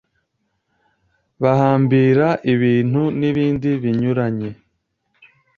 bahambira ibintu, n’ibindi binyuranye